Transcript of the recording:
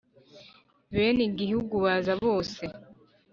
Bene igihugu baza bose